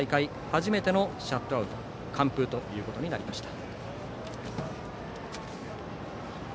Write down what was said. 初めてのシャットアウト完封ということになりました。